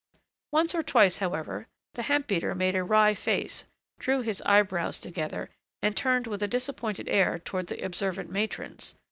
Once or twice, however, the hemp beater made a wry face, drew his eyebrows together, and turned with a disappointed air toward the observant matrons.